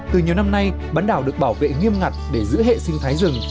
từ nhiều năm nay bán đảo được bảo vệ nghiêm ngặt để giữ hệ sinh thái rừng